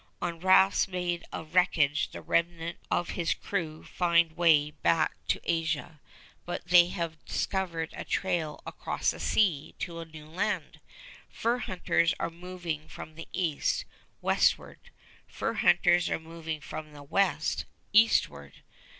On rafts made of wreckage the remnant of his crew find way back to Asia, but they have discovered a trail across the sea to a new land. Fur hunters are moving from the east, westward. Fur hunters are moving from the west, eastward.